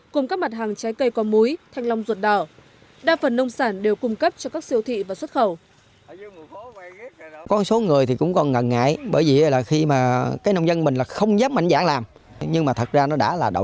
cùng các mặt hàng trái cây có muối thanh long ruột đỏ